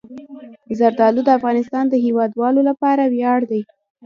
زردالو د افغانستان د هیوادوالو لپاره ویاړ دی.